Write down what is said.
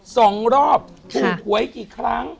สองรอบถูกหวยกี่ครั้ง